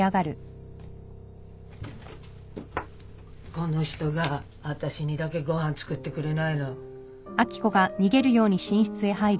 この人が私にだけご飯作ってくれないの。